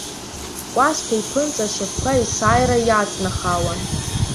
Кәасҭа иԥынҵа ашьапқәа есааира иаҵнахаауан.